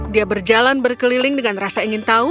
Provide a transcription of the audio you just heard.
dia berjalan berkeliling dengan rasa ingin tahu